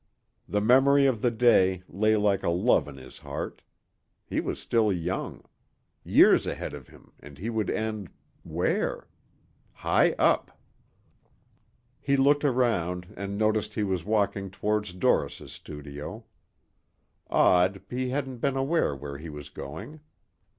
The memory of the day lay like a love in his heart. He was still young. Years ahead of him and he would end where? High up. He looked around and noticed he was walking toward Doris' studio. Odd, he hadn't been aware where he was going.